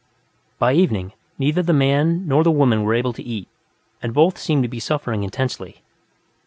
By evening, neither the man nor the woman were able to eat, and both seemed to be suffering intensely.